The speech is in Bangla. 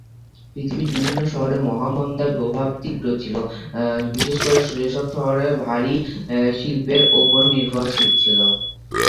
পৃথিবীর বিভিন্ন শহরে মহামন্দার প্রভাব তীব্র ছিল, বিশেষ করে যেসব শহর ভারী শিল্পের উপর নির্ভরশীল ছিল।